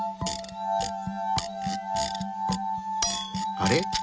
あれ？